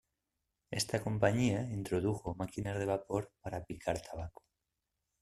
Esta compañía introdujo máquinas de vapor para picar tabaco.